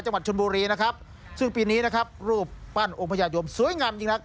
จังหวัดชนบุรีนะครับซึ่งปีนี้นะครับรูปปั้นองค์พญายมสวยงามยิ่งนัก